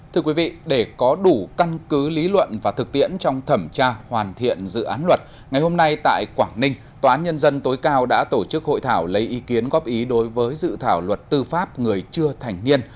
thưa quý vị để có đủ căn cứ lý luận và thực tiễn trong thẩm tra hoàn thiện dự án luật ngày hôm nay tại quảng ninh tòa án nhân dân tối cao đã tổ chức hội thảo lấy ý kiến góp ý đối với dự thảo luật tư pháp người chưa thành niên